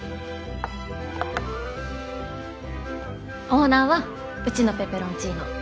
オーナーはうちのペペロンチーノ